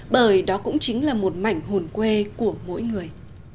bởi đó cũng chính là một mảnh hồn quê của mỗi người